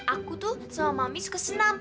aku tuh sama mami suka senam